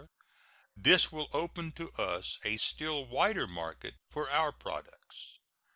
This will open to us a still wider market for our products.